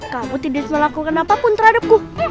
kamu tidak melakukan apapun terhadapku